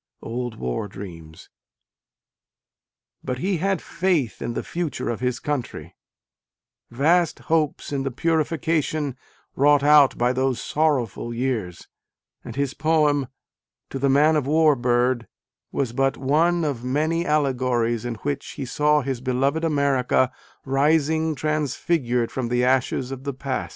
(Old War Dreams.) But he had faith in the future of his country, vast hopes in the purification wrought out by those sorrowful years : and his poem To the Man of~War Bird was but one of many allegories in which he saw his beloved America rising transfigured from the ashes of the past.